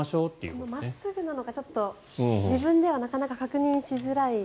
真っすぐなのが自分ではなかなか確認しづらい。